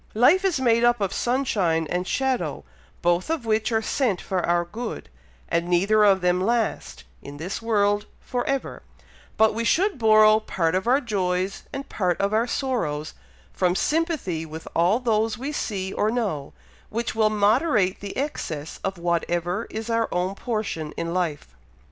Life is made up of sunshine and shadow, both of which are sent for our good, and neither of them last, in this world, for ever; but we should borrow part of our joys, and part of our sorrows, from sympathy with all those we see or know, which will moderate the excess of whatever is our own portion in life."